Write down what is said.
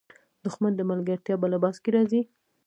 دښمن د ملګرتیا په لباس کې راځي